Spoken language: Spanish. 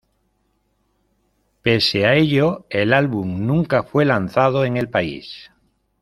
Pese a ello, el álbum nunca fue lanzado en el país.